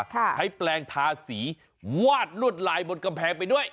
ใช้แปลงทาสีวาดลวดลายบนกำแพงไปด้วย